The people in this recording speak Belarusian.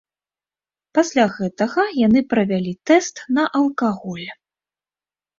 Пасля гэтага яны правялі тэст на алкаголь.